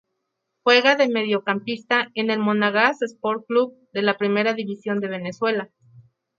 Juega de mediocampista en el Monagas Sport Club de la Primera División de Venezuela.